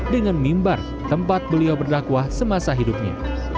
dengan mimbar tempat beliau berdakwah semasa hidupnya